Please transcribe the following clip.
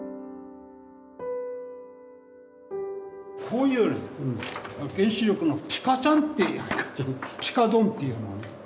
こういう原子力のピカちゃんっていうピカドンっていうのをね。